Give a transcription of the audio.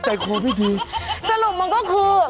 จริงมั้งก็คือ